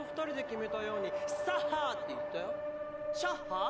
シャッハー？